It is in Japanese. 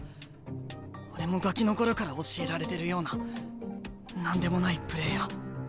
俺もガキの頃から教えられてるような何でもないプレーや。